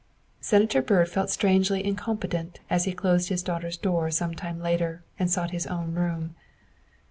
Senator Byrd felt strangely incompetent as he closed his daughter's door some time later and sought his own room.